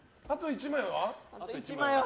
あと１枚は？